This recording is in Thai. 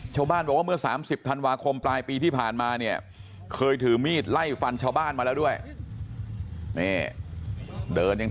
ชาวบ้านบอกว่าเมื่อ๓๐ธันวาคมปลายปีที่ผ่านมาเนี่ย